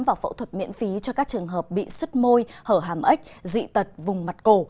và phẫu thuật miễn phí cho các trường hợp bị sức môi hở hàm ếch dị tật vùng mặt cổ